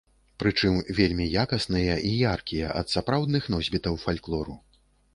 Пры чым вельмі якасныя і яркія ад сапраўдных носьбітаў фальклору.